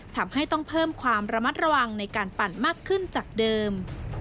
ทำให้ต้องเพิ่มความระมัดระวังในการปั่นมากขึ้นจากเดิม